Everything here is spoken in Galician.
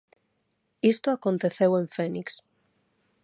Isto aconteceu en Fénix.